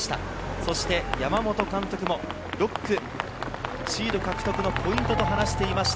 そして山本監督も６区、シード獲得のポイントと話していました。